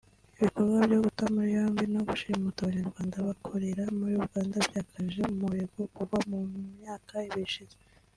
Ibikorwa byo guta muri yombi no gushimuta Abanyarwanda bakorera muri Uganda byakajije umurego kuva mu myaka ibiri ishize